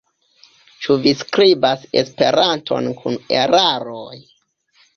Ĉu vi skribas Esperanton kun eraroj?